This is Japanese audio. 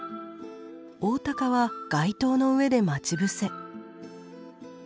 オオタカは街灯の上で待ち伏せ。